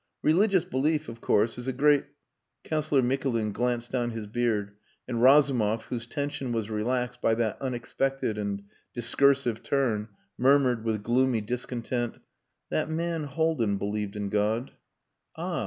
Religious belief, of course, is a great...." Councillor Mikulin glanced down his beard, and Razumov, whose tension was relaxed by that unexpected and discursive turn, murmured with gloomy discontent "That man, Haldin, believed in God." "Ah!